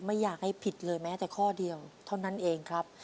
ไม่อยากให้ผิดเลยแม้แต่ข้อเดียวเท่านั้นเองครับ